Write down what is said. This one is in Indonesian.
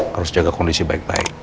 harus jaga kondisi baik baik